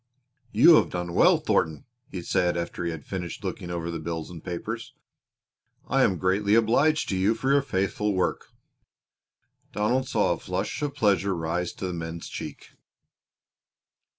"You have done well, Thornton," he said after he had finished looking over the bills and papers. "I am greatly obliged to you for your faithful work." Donald saw a flush of pleasure rise to the man's cheek.